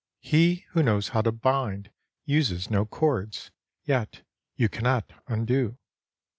He who knows how to bind uses no cords — yet you cannot undo.